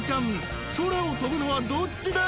［空を飛ぶのはどっちだ？